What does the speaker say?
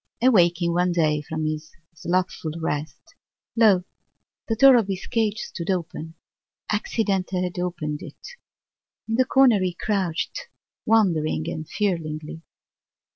Awaking one day from his slothful rest, lo! the door of his cage stood open: accident had opened it. In the corner he crouched, wondering and fearingly.